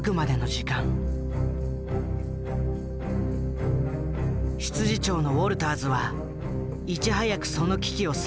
執事長のウォルターズはいち早くその危機を察知した人物。